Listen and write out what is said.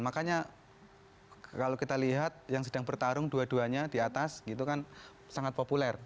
makanya kalau kita lihat yang sedang bertarung dua duanya di atas gitu kan sangat populer